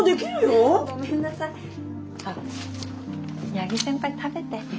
八木先輩食べて。